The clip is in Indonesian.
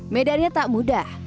medannya tak mudah